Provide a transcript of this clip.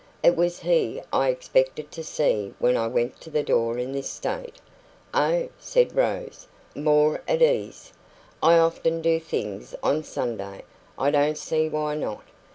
It was he I expected to see when I went to the door in this state." "Oh," said Rose, more at her ease, "I often do things on Sundays; I don't see why not.